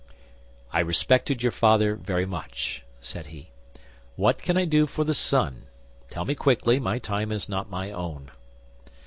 "I respected your father very much," said he. "What can I do for the son? Tell me quickly; my time is not my own."